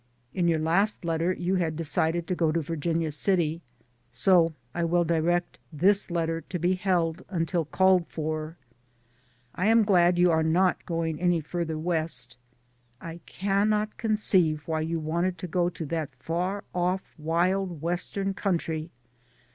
In your last letter you had decided to go to Vir ginia City, so I will direct this letter to be held until called for. I am glad you are not going any farther West. I cannot conceive why you wanted to go to that far off wild Western country.